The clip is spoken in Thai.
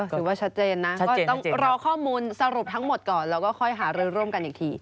ถือว่าชัดเจนนะก็ต้องรอข้อมูลสรุปทั้งหมดก่อนแล้วก็ค่อยหารือร่วมกันอีกที